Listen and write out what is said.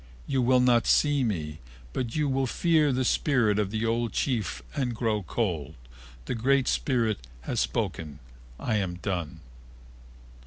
You will not see me but you will fear the spirit of the old chief and grow cold. The Great Spirit has spoken. I am done."